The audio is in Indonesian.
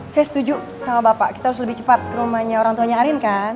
saya setuju sama bapak kita harus lebih cepat ke rumahnya orang tuanya arin kan